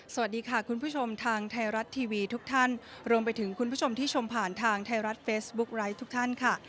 สวัสดีค่ะคุณผู้ชมทางไทยรัฐทีวีทุกท่านรวมไปถึงคุณผู้ชมที่ชมผ่านทางไทยรัฐเฟซบุ๊กไลฟ์ทุกท่านค่ะ